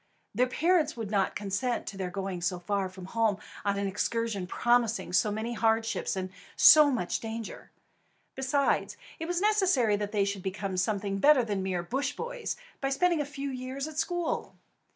Their parents would not consent to their going so far from home, on an excursion promising so many hardships and so much danger. Besides, it was necessary that they should become something better than mere Bush Boys, by spending a few years at school.